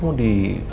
ya ada apapun